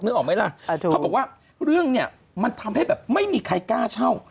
ออกไหมล่ะเขาบอกว่าเรื่องเนี่ยมันทำให้แบบไม่มีใครกล้าเช่า